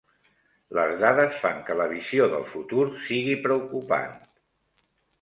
Les dades fan que la visió del futur sigui preocupant.